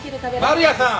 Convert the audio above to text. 丸屋さん！